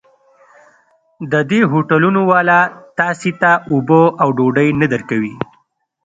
د دې هوټلونو والا تاسې ته اوبه او ډوډۍ نه درکوي.